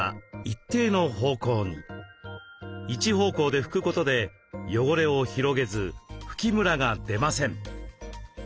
一方向で拭くことで汚れを広げず拭きむらが出ません。